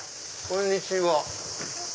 こんにちは。